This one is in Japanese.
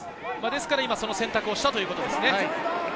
ですから今その選択をしたということですね。